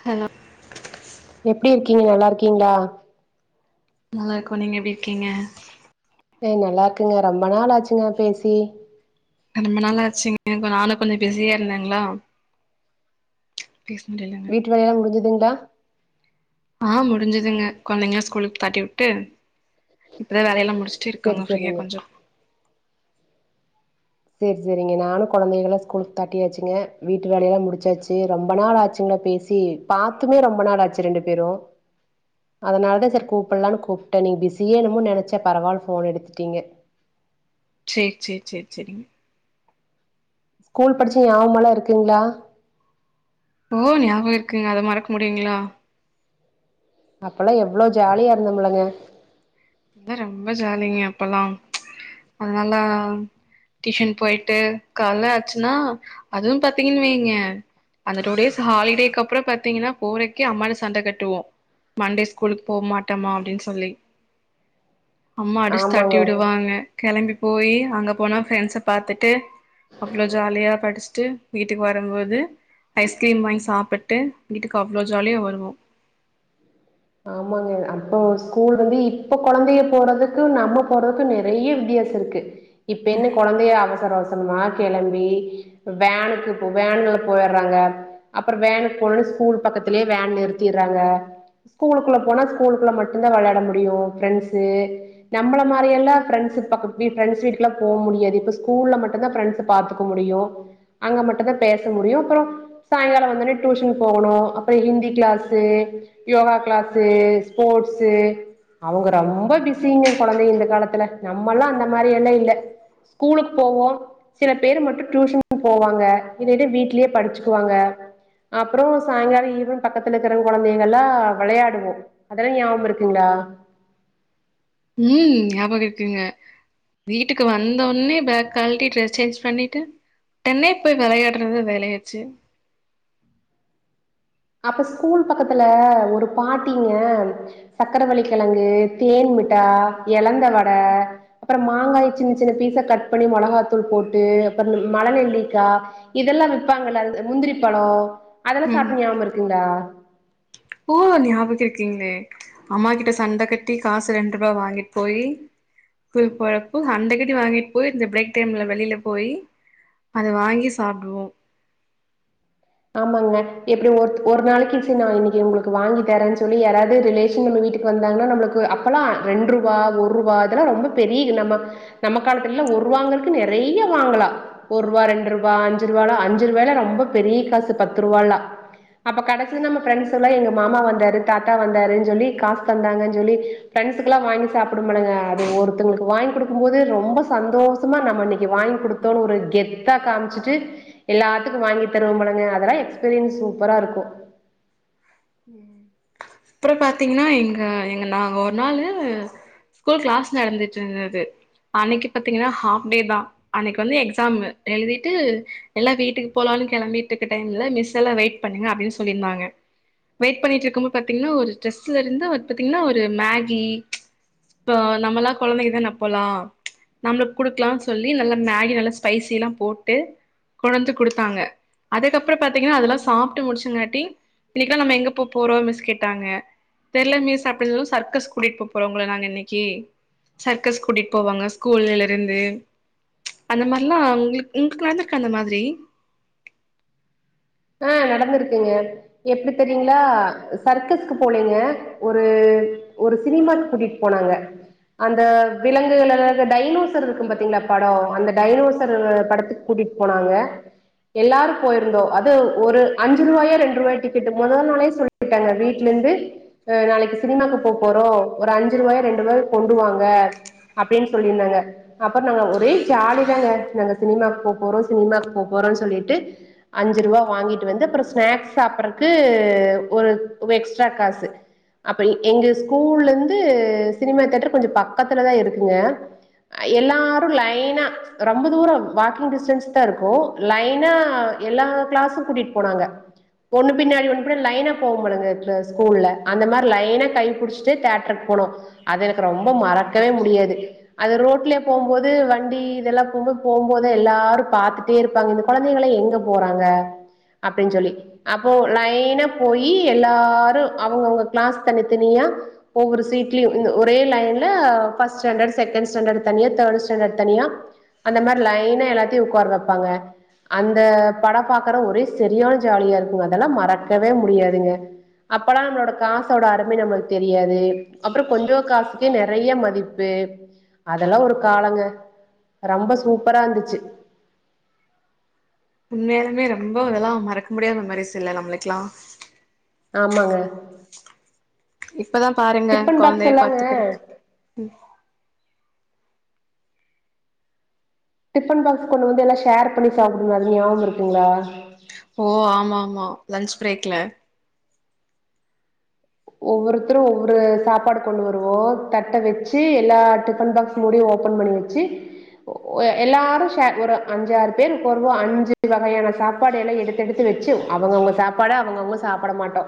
hello எப்டி இருக்கீங்க நல்லா இருக்கீங்களா நல்லா இருக்கோ நீங்க எப்டி இருக்கீங்க ஏ நல்லா இருக்குங்க ரொம்ப நாள் ஆச்சுங்க பேசி ரொம்ப நாள் ஆச்சுங்க நானு கொஞ்ச பிஸியா இருந்தங்ளா வீட்டு வேலையெலா முடிஞ்சுதுங் ளா ஆ முடிஞ்சுதுங்க கொழந்தைங்களா ஸ்கூலுக்கு தாட்டி விட்டு இப்பதா வேலையெல்லா முடிச்சுட்டு செரி இருக்கங்க ஃப்ரீயா செரிங்க கொஞ்ச செரி செரிங்க நானு கொழந்தைகளா ஸ்கூலுக்கு தாட்டியாச்சுங்க வீட்டு வேலையெலா முடிச்சாச்சு ரொம்ப நாளாச்சுங்ளா பேசி பாத்துமே ரொம்ப நாள் ஆச்சு ரெண்டு பேரு அதனாலதா செரி கூப்படலானு கூப்ட்ட நீ பிஸியே என்னமோனு நெனச்ச பரவால்ல ஃபோன் எடுத்துட்டிங்க சேர் சேர் சேர் செரிங் ஸ்கூல் படிச்ச ஞாபமல்லா இருக்குங்ளா ஓ ஞாபக இருக்குங்க அத மறக்க முடியுங்ளா அப்பல்லா எவ்வள ஜாலியா இருந்தமல்லங்க வந்து ரொம்ப ஜாலிங்க அப்பலா அதனாலா டியுஷன் போயிட்டு காலல ஆச்சுன்னா அதுவு பாத்திங்கன் வைங்க அந்த டூ டேஸ் ஹாலிடேக்கு அப்பற பாத்திங்கனா போறக்கே அம்மாட சண்ட கட்டுவோ மண்டே ஸ்கூலுக்கு போ மாட்டமா அப்டின் சொல்லி அம்மா அடிச்சு தாட்டி ஆமாங்க விடுவாங்க கெளம்பி போயி அங்க போனா ஃப்ரெண்ட்ஸ பாத்துட்டு அவ்வளோ ஜாலியா படிச்ட்டு வீட்டுக்கு வரம்போது ஐஸ்கிரீம் வாங்கி சாப்புட்டு வீட்டுக்கு அவ்ளோ ஜாலியா வருவோ ஆமாங்க அப்போ ஸ்கூல் வந்து இப்ப கொழந்தைக போறதுக்கு நம்ம போறதுக்கு நெறைய வித்தியாச இருக்கு இப்ப என்ன கொழந்தைய அவசர அவச ரமா கெளம்பி வேனுக்கு இப்ப வேனுல போயர்றாங்க அப்புற வேனுக்கு போனோனே ஸ்கூல் பக்கத்திலயே வேன் நிறுத்திர்றாங்க ஸ்கூலுக்குள்ள போனா ஸ்கூலுள்ள மட்டுந்தா வெளையாட முடியு ஃப்ரெண்ட்ஸு நம்மள மாரியெல்லா ஃப்ரெண்ட்ஸ் பக்கத் வி ஃப்ரெண்ட்ஸ் வீட்டுக்குலா போக முடியாது இப்ப ஸ்கூல்ல மட்டுந்தா ஃப்ரெண்ட்ஸ பாத்துக்க முடியு அங்க மட்டுந்தா பேச முடியு அப்புற சாயங்கால வந்தோனே டியூஷன் போகணு அப்புற Hindi class yoga class sports அவங்க ரொம்ப பிஸிங்க கொழந்தைக இந்த காலத்துல நம்மல்லா அந்த மாரியெல்லா இல்ல ஸ்கூலுக்கு போவோ சில பேர் மட்டு டியூஷன் போவாங்க இல்லாட்டி வீட்லயே படிச்சுக்குவாங்க அப்புற சாங்கால ஈவன் பக்கத்துல இருக்கற கொழந்தைகள்லா வெளையாடுவோ அதெல்லா ஞாபகமிருக்குங்ளா ம் ஞாபக இருக்குங்க வீட்டுக்கு வந்தவொன்னே பேக் கழட்டி ட்ரெஸ் சேஞ்ச் பண்ணிட்டு உடனே போய் வெளையாடறதா வேலயாச்சு அப்ப ஸ்கூல் பக்கத்துல ஒரு பாட்டிங்க சக்கரவள்ளி கெழங்கு தேன் மிட்டா எழந் த வட அப்பற மாங்காய் சின்ன சின்ன பீசா கட் பண்ணி மொளகாத்தூள் போட்டு அப்புற மலநெல்லிக்கா இதெல்லா விப்பாங்கல்ல அந்த முந்திரி பழோ அதெல்லா ம் சாப்ட்ட ஞாபகமிருக் ஓ நியாபக இருக் கிங்ளே அம்மா கிட்ட சண்ட கட்டி காசு ரெண்ட்ருவா வாங்கிட் போயி ஸ்கூலுக் போறப்போ சண்ட கட்டி வாங்கிட் போயி இந்த பிரேக் டைம்ல வெளில போயி அத வாங்கி சாப்டுவோ ஆமாங்க இப்டி ஒர்த் ஒரு நாளைக்கு செரி நா இன்னக்கி உங்ளுக்கு வாங்கி தரேன்னு சொல்லி யாராது ரிலேஷன் நம்ம வீட்டுக்கு வந்தாங்னா நம்முளுக்கு அப்பல்லா ரெண்ட்ருவா ஒர்ருவா இதெல்லா ரொம்ப பெரிய நம்ம நம்ம காலத்துல ஒர்ருவாங்கறக்கு நெறைய வாங்கலா ஒர்ருவா ரெண்டு ருபா அஞ்சு ருவாலா அஞ்சு ருவாய்லா ரொம்ப பெரிய காசு பத்துருவாலா அப்ப கடைசில நம்ம ஃப்ரெண்ஸ்களா எங்க மாமா வந்தாரு தாத்தா வந்தாருன் சொல்லி காசு தந்தாங்கன் சொல்லி ஃப்ரெண்ஸ்கெல்லா வாங்கி சாப்ட மடுங்க அது ஒருத்தங்ளுக்கு வாங்கி குடுக்கும்போது ரொம்ப சந்தோசமா நம்ம இன்னக்கி வாங்கி குடுத்தோனு ஒரு கெத்தா காமிச்சுட்டு எல்லாத்துக்கு வாங்கி தருவமல்ல ங்க அதெல்லா எக்ஸ்பீரியன்ஸ் சூப்பரா இருக்கு ம் அப்றோ பாத்திங்கனா எங்க எங்க நாங்க ஒரு நாளு ஸ்கூல் கிளாஸ் நடந்துட்ருந்துது அன்னைக்கு பாத்திங்னா ஹாஃப்டேதா அன்னைக்கு வந்து எக்ஸாமு எழுதிட்டு எல்லா வீட்டுக்கு போலானு கெளம்பிட்டு இருக்க டைம்ல மிஸ் எல்லா வெயிட் பண்ணுங்க அப்டின்னு சொல்லிருந்தாங்க வெயிட் பண்ணிட்ருக்கும்போ பாத்திங்னா ஒரு ட்ரெஸ்ல இருந்து பாத்திங்னா ஒரு மேகி இப்போ நம்மளா கொழந்தைங்கதான அப்போல்லா நம்ளுக்கு குடுக்கலான் சொல்லி நல்லா மேகி நல்லா ஸ்பைசில்லா போட்டு கொணந்து குடுத்தாங்க அதுக்கப்றோ பாத்திங்னா அதெல்லா சாப்ட்டு முடிச்சங்காட்டி இன்னைக்லா நம்ம எங்க போ போறோ மிஸ் கேட்டாங்க தெர்ல மிஸ் அப்டின் சொல்வு சர்க்கஸ் கூட்டிட்டு போ போறோ உங்கள நாங்க இன்னைக்கு சர்க்கஸ் கூட்டிட்டு போவாங்க ஸ்கூல்லில் இருந்து அந்த மார்லா உங்ளுக் உங்ளுக்கு நடந்திருக்கா அந்த மாதிரி ஆ நடந்திருக்குங்க எப்டி தெரிங்களா சர்க்கஸ்க்கு போலிங்க ஒரு ஒரு சினிமாக்கு கூட்டிட்டு போனாங்க அந்த விலங்குகளலா அந்த டைனோசர் இருக்கு பாத்திங்ளா படோ அந்த டைனோசர் படத்துக்கு கூட்டிட்டு போனாங்க எல்லாரு போயிருந்தோ அது ஒரு அஞ்சு ருவாயோ ரெண்டு ருவாயோ டிக்கெட்டு மொத நாளே சொல்லிட்டாங்க வீட்ல இருந்து நாளைக்கு சினிமாக்கு போ போறோ ஒரு அஞ்சு ருவாயோ ரெண்டு ருவாயோ கொண்டுவாங்க அப்டின்னு சொல்லிருந்தாங்க அப்ற நாங்க ஒரே ஜாலி தாங்க நாங்க சினிமாக்கு போக போறோ சினிமாக்கு போக போறோன்னு சொல்லிட்டு அஞ்சு ருவா வாங்கிட்டு வந்து அப்றோ ஸ்நாக்ஸ் சாப்பறக்கு ஒரு எக்ஸ்ட்ரா காசு அப்ப எங்க ஸ்கூல்லருந்து சினிமா தியேட்டர் கொஞ்சோ பக்கத்துலதா இருக்குங்க எல்லாரு லைனா ரொம்ப தூரோ வாக்கிங் டிஸ்டன்ஸ்தா இருக்கு லைனா எல்லா கிளாசு கூட்டிட்டு போனாங்க ஒன்னு பின்னாடி ஒண்ணு பின்னா லைனா போவமல்லங்க அ ஸ்கூல்ல அந்த மாரி லைனா கை புடிச்சுட்டு தேட்ருக்கு போனோ அது எனக்கு ரொம்ப மறக்கவே முடியாது அது ரோட்லே போம்போது வண்டி இதெல்லா போகும்போ போகும்போத எல்லாரு பாத்துட்டே இருப்பாங்க இந்த கொழந்தைகளா எங்க போறாங்க அப்டின் சொல்லி அப்போ லைனா போயி எல்லாரு அவங்கங்க கிளாஸ் தனி தனியா ஒவ்வொரு சீட்லயு ஒரே லைன்ல ஃபஸ்ட் ஸ்டான்டடு செகன்ட் ஸ்டான்டடு தனியா தேர்டு ஸ்டான்டடு அந்த மாரி லைனா எல்லாத்தயு உக்கார வெப்பாங்க அந்த பட பாக்கற ஒரே சரியான ஜாலியா இருக்குங்க அதெல்லா மறக்கவே முடியாதுங்க அப்பல்லா நம்மளோட காசோட அருமை நம்மளுக்கு தெரியாது அப்றோ கொஞ்சோ காசுக்கே நெறைய மதிப்பு அதெல்லா ஒரு காலங்க ரெம்ப சூப்பரா இருந்துச்சு உண்மையாலுமே ரொம்ப அதெல்லா மறக்க முடியாத மெமரிஸ் இல்ல நம்ளுக்லா ஆமாங்க இப்பதா பாருங்க டிஃபன் பாக்ஸ் கொழந்தைய எல்லாங்க பாத்துக்கறக்கு டிபன் பாக்ஸ் கொண்டு வந்து எல்லா ஷேர் பண்ணி சாப்டுவோ அது ஞாபக இருக்குங்ளா ஓ ஆமா ஆமா லஞ்ச் பிரேக்ல ஒவ்வொருத்தரு ஒவ்வொரு சாப்பாடு கொண்டு வருவோ தட்ட வச்சு எல்லா டிஃபன் பாக்ஸ் மூடியு ஓபன் பண்ணி வச்சு ஒ எல்லாரு ஷேர் ஒரு அஞ்சாறு பேரு ருப்போ பொதுவா அஞ்சு வகையான சாப்பாடு எல்லா எடுத்து எடுத்து வச்சு அவங்கவங்க சாப்பாட அவங்கவங்க சாப்ட மாட்டோ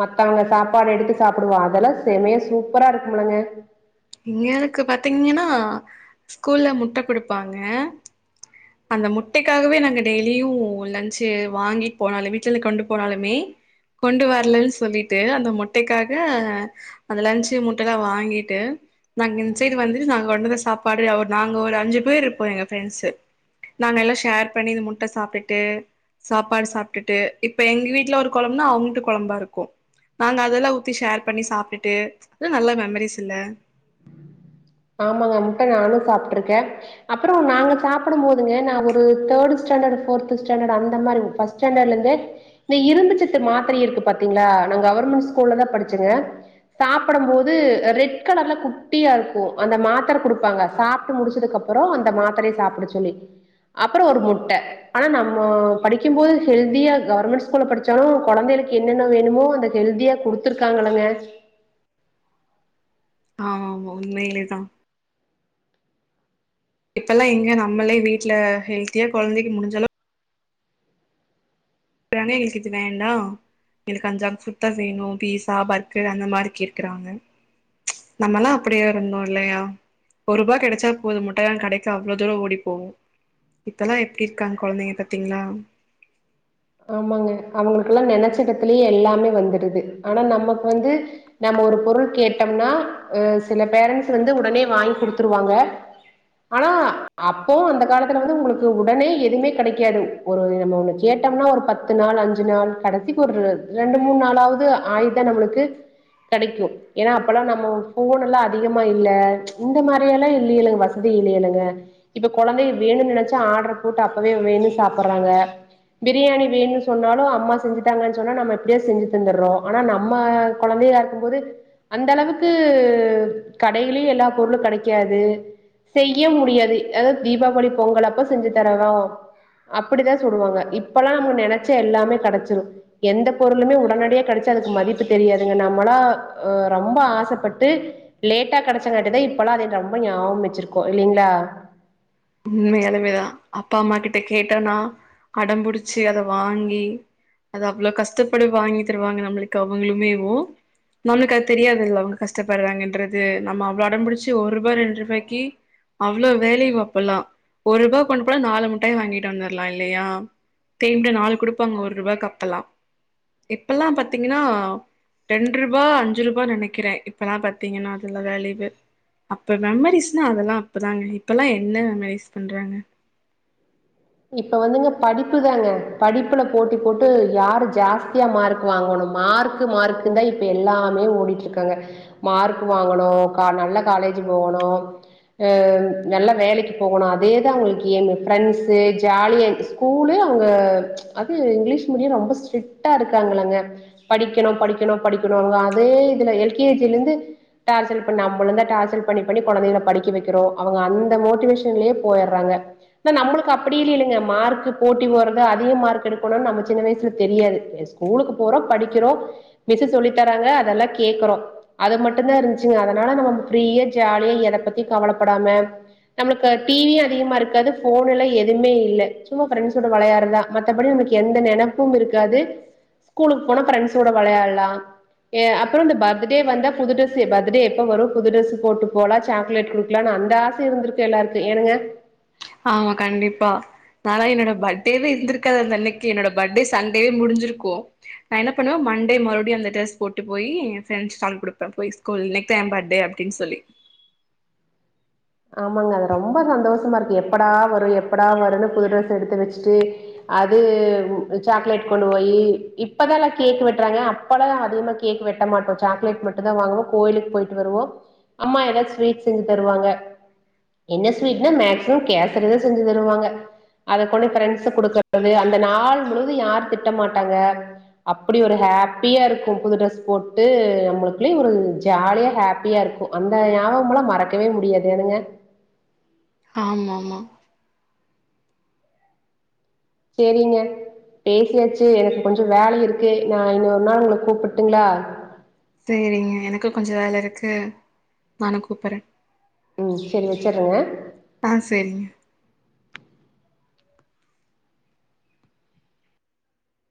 மத்தவங்க சா ப்பாடு எடுத்து சாப்டுவோ அதெல்லா செமையா சூப்ரா இருக்குமிளங்க இங்கருக்கு பாத்தீங்கன்னா ஸ்கூல்ல முட்ட கொடுப்பாங்க அந்த முட்டைக்காகவே நாங்க டெய்லியு லஞ்ச் வாங்கிட்டு போனாலுமே வீட்டுல கொண்டு போனாலுமே கொண்டு வரலன்னு சொல்லிட்டு அந்த முட்டைக்காக அந்த லஞ்ச் முட்டைல்லா வாங்கிட்டு நாங்க இந்த சைடு வந்து நாங்க கொண்டந்த சாப்பாடு நாங்க ஒரு அஞ்சு பேர் இருப்போ எங்க ஃப்ரெண்ட்ஸு நாங்க எல்லா ஷேர் பண்ணி முட்ட சாப்டுட்டு சாப்பாடு சாப்டுட்டு இப்ப எங்க வீட்டுல ஒரு கொழம்புனா அவங்க்ட கொழம்பா இருக்கு நாங்க அதெல்லா ஊத்தி ஷேர் பண்ணி சாப்டுட்டு அது நல்ல மெமரிஸ் இல்ல ஆமாங்க முட்ட நானு சாப்டுருக்கே அப்றோ நாங்க சாப்டு போதுங்க நா ஒரு தேர்டு ஸ்டாண்டர்ட் ஃபோர்த் ஸ்டாண்டர்ட் அந்த மாரி ஃபர்ஸ்ட் ஸ்டாண்டர்ட்ல இருந்தே இந்த இரும்பு சத்து மாத்ர இருக்கு பாத்தீங்களா நா கவர்மெண்ட் ஸ்கூல்ல தா படிச்சங்க சாப்படு போது ரெட் கலர்ல குட்டியாருக் கு அந்த மாத்ர கொடுப்பாங்க சாப்ட்டு முடிச்சதுக்கு அப்றோ அந்த மாத்தரய சாப்ட சொல்லி அப்றோ ஒரு முட்ட ஆனா நம்மோ படிக்கு போது ஹெல்தியா கவர்மெண்ட் ஸ்கூல்ல படிச்சாலு கொழந்தைளுக்கு என்னென்ன வேணுமோ அந்த ஹெல்தியா குடுத்துருக்காங்களாங்க ஆமா ஆமா உண்மையிலேயேதா இப்பல்லா எங்க நம்மளே வீட்ல ஹெல்த்தியா கொழந்தைக்கு முடிஞ்சாலு [unintelligible] எங்ளுக்கு இது வேண்டா எங்ளுக்கு எனக் அந் சங் ஃபுட் தா வேணு பீஸா பர்க்கர் அந்த மாரி கேக்குறாங்க நம்மல்லா அப்படியா இருந்தோ இல்லையா ஒரு ரூவா கெடைச்சா போது முட்டாய் வாங்க கடைக்க அவ்ளோ தூரோ ஓடி போவோ இப்பல்லா எப்படி இருக்காங்க கொழந்தைங்க பாத்தீங்களா ஆமாங்க அவங்களுக்கெல்லா நினைச்சிடத்திலயே எல்லாமே வந்துடுது ஆனா நமக்கு வந்து நம்ம ஒரு பொருள் கேட்டோம்னா அ சில பேரண்ட்ஸ் வந்து உடனே வாங்கி கொடுத்துருவாங்க ஆனா அப்போ அந்த காலத்துல வந்து உங்களுக்கு உடனே எதுவுமே கெடைக்காது ஒரு நம்ம ஒன்று கேட் டோம்னா ஒரு பத்து நாள் அஞ்சு நாள் கடைசிக்கு ஒரு ரெண்டு மூணு நாளாவது ஆயுதா நம்ளுக்கு கெடைக்கு ஏன்னா அப்பல்லா நம்ம ஃபோன் எல்லா அதிகமா இல்ல இந்த மாரி எல்லா இல்லையலுங்க வசதி இல்லையலுங்க இப்ப கொழந்தை வேணும்னு நினைச்சா ஆர்டர் போட்டு அப்பவே வேணு சாப்றாங்க பிரியாணி வேணும்னு சொன்னாலு அம்மா செஞ்சுதாங்கன்னு சொன்னா நம்ம எப் டியோ செஞ்சு தந்துர்றோ ஆனா நம்ம கொழந்தைையா இருக்கும்போது அந்த அளவுக்கு கடைலயு எல்லா பொருளு கெடைக்காது செய்ய முடியாது அதாது தீபாவளி பொங்கல் அப்ப செஞ்சு தரரோ அப்டிதா சொல்லுவாங்க இப் இப்பல்லா நம நினைச்ச எல்லாமே கிடைச்சிடு எந்த பொருளுமே உடனடியா கெடச்சா அதுக்கு மதிப்பு தெரியாதுங்க நம்மளா அ ரொம்ப ஆசப்பட்டு லேட்டா கெடச்சங்கட்டிதா இப்பல்லா அது ரொம்ப ஞாபகோ வச்ருக்கோ இல்லைங்களா உண்மையாலுமேதா அப்பா அம்மா கிட்ட கேட்டோனா அடம்புடுச்சு அத வாங்கி அத அவ்ளோ கஷ்டப்படு வாங்கி தருவாங்க நம்ளுக்கு அவங்களுமேவு நம்ளுக்கு அது தெரியாதுல்லா அவங்க கஷ்டப்படுறாங்கன்றது நம்ம அவ்ளோ அடம்புடுச்சு ஒரு ரூபா ரெண்டு ரூபாய்க்கு அவ்வளோ வேலேயு அ ப்பல்லா ஒர் ரூபா கொண்டு போன நாலு முட்டாய் வாங்கிட்டு வந்துரல்லா இல்லையா தேன்டு நாலு கொடுப்பாங்க ஒரு ரூபாக்கு அப்பல்லா இப்பல்லா பாத்தீங்கன்னா ரெண்டு ரூபா அஞ்சு ரூபாய நெனக்றே இப்பல்லா பாத்தீங்கன்னா அதுல வேலியூ அப்ப மெமரிஸ்னா அதெல்லா அப்பதாங்க இப்பல்லா என்ன மெமரிஸ் பண்றாங்க இப்ப வந்துங்க படிப்புதாங்க படிப்புல போட்டி போட்டு யாரு ஜாஸ்தியா மார்க் வாங்கணு மார்க்கு மார்க்குதா இப்ப எல்லாமே ஓடிட்டு இருக்காங்க மார்க் வாங்கணு கா நல்ல காலேஜ் போகணு அ நல்ல வேலைக்கு போகணு அதேதா அவங்களுக்கு ஏய்மு ஃபிரண்ட்ஸு ஜாலிய ஸ்கூல் அங்க அது இங்கிலீஷ் மீடியம் ரொம்ப ஸ்ட்ரிட்டா இருக்காங்களாங்க படிக்கணு படிக்கணு படிக்கணும்க அதே இதுல எல் கே ஜி இருந்து டார்சல் பண்ண நம்மளுதா டார்சல் பண்ணி பண்ணி கொழந்தல படிக்க வக்கிறோ அவங்க அந்த மோட்டிவேஷன்லயே போய்றாங்க இன்னோ நம்ளுக் அப்டின் இல்லேங்க மார்க் போட்டி போறது அதிக மார்க் எடுக்கணும்னு நம்ம சின்ன வயசுல தெரியாது ஸ்கூலுக்கு போறோ படிக்றோ மிஸ் சொல்லி தராங்க அதெல்லா கேக்றோ அது மட்டு தா இருந்துச் அதனால நம்ம ஃபிரீயா ஜாலியா எத பத்தியு கவலப்படாம நம்ளுக்கு டிவி அதிகமா இருக்காது ஃபோன்லயி எ துவுமே இல்ல சும்மா ஃப்ரன்ஸ் சோட வெளையாடுறதா மத்தபடிமக்கு எந்த நெனப்பு இருக்காது ஸ்கூலுக்கு போனா ஃப்ரென்ஸ் சோட வெளையாடலா அப்றோ இந்த பர்த்டே வந்த புது ட்ரெஸ் பர்த்டே எப்ப வரு புது டிரெஸ் போட்டு போலா சாக்லேட் குடுக்கலா அந்த ஆச இருந்திருக்கு எல்லாருக்கு ஏனங்க ஆமா கண்டிப்பா நானா என்னோட பர்த்டேவே இருந்திருக்காது அந்த இன்னக்கு என்னோட பர்த்டே சண்டேவே முடிஞ்சுருக்கும் நா என்ன பண்ணுவே மண்டே மறுபடியு அந்த டிரரெஸ் போட்டு போய் என் ஃப்ரெண்ட்ஸ் குலா கொடுப்பே போய் ஸ்கூல் இன்னக் தா என் பர்த்டே அப்டினு சொல்லி ஆமாங்க அது ரொம்ப சந்தோஷமா இருக்கு எப்படா வரு எப்படா வரும்ன்னு புது ட்ரெஸ் எடுத்து வச்சுட்டு அது சாக்லேட் கொண்டு போய் இப்பதா எல்லா கேக் வெட்டுறாங்க அப்பல்லா அதிகமா கேக் வெட்ட மாட்டோ சாக்லேட் மட்டு தா வாங்குவோ கோயிலுக்கு பொய்ட்டு வருவோ அம்மா ஏதாச்சு ஸ்வீட்ஸ் செஞ்சு தருவாங்க என்ன ஸ்வீட்னா மேக்சிமம் கேசறிதா செஞ்சு தருவாங்க அத கொண்ட ஃப்ரெண்ட்ஸ் கொடுக்றது அந்த நாள் முழுவது யார் திட்ட மாட்டாங்க அப்டி ஒரு ஹாப்பியா இருக்கு புது ட்ரெஸ் போட்டு நம்மளுக்குள்ளயு ஒரு ஜாலியா ஹாப்பியா இருக்கு அந்த ஞாபகோல்லா மறக்கவே முடியாது எனுங்க ஆமா ஆமா சேரிங்க பேசியாச்சு எனக்கு கொஞ்சோ வேல இருக்கு நா இன்னொரு நாள் உங்கள கூப்பட்டுங்களா சேரிங்க எனக்கு கொஞ்சோ வேல இருக்கு நானு கூப்பற்றே ம் சேரி வச்சறேங்க ஆ சேரிங்க